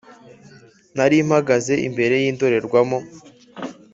Narimagaze imbere y’indorerwamo